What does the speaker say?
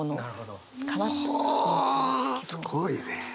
すごいね。